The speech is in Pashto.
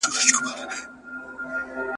قرض د پلار هم بد دی ,